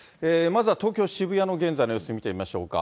まずは東京・渋谷の現在の様子見てみましょうか。